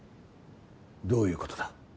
どういうことだ？